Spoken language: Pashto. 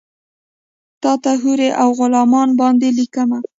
تاته حورې اوغلمان باندې لیکمه